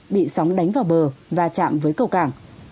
bị sóng đánh vào bờ và chạm với cầu cảng